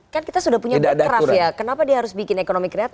kan kita sudah punya backcraft ya kenapa dia harus bikin ekonomi kreatif